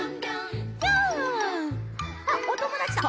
あっおともだちだ。